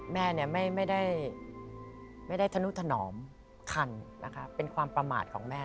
แม่ไม่ได้ธนุถนอมคันนะคะเป็นความประมาทของแม่